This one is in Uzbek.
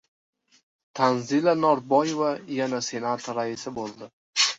Tanzila Norboyeva yana Senat raisi bo‘ladi